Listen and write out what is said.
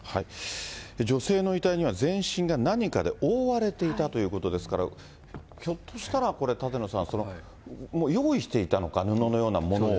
女性の遺体には全身が何かで覆われていたということですから、ひょっとしたらこれ、舘野さん、もう用意していたのか、布のようなものを。